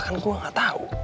kan gue gak tau